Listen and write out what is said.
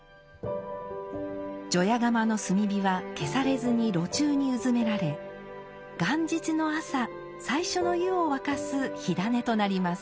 除夜釜の炭火は消されずに炉中にうずめられ元日の朝最初の湯を沸かす火種となります。